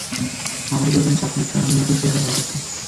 আমার ওপর কোনো চাপ নেই, কারণ আমি নিজেই চাই আরও ভালো করতে।